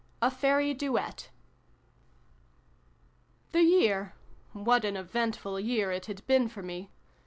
A FAIRY DUET. THE year what an eventful year it had been for me